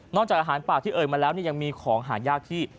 จากอาหารปากที่เอ่ยมาแล้วยังมีของหายากที่